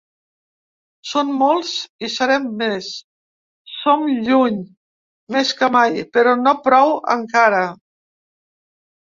Som molts i serem més; som lluny, més que mai, però no prou encara.